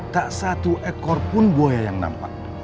tak satu ekor pun buaya yang nampak